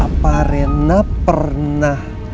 apa rena pernah